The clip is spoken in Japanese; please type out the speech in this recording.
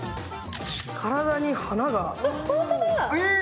体に花が。